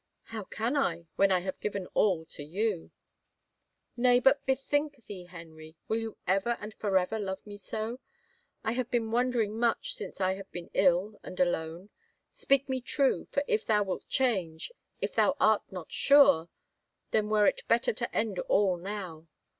" How can I, when I have given all to you ?"" Nay, but bethink thee, Henry, will you ever and forever love me so ? I have been wondering much since I have been ill and alone. Speak me true, for if thou wilt change, if thou art not sure, then were it better to end all now.